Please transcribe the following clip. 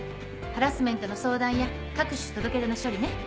ハラスメントの相談や各種届け出の処理ね。